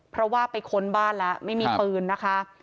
เพราะว่าไปค้นบ้านแล้วไม่มีปืนนะคะ